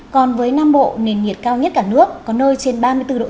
còn với nam bộ nền nhiệt cao nhất cả nước có nơi trên ba mươi bốn độ c